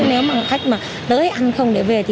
nếu mà khách mà tới ăn không để về